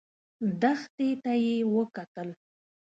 دښتې ته يې وکتل.